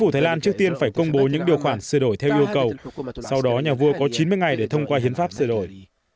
thái lan trước tiên phải công bố những điều khoản sửa đổi theo yêu cầu sau đó nhà vua có chín mươi ngày để thông qua hiến pháp sửa đổi